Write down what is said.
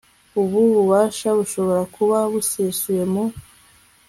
Ubu bubasha bushobora kuba busesuye mu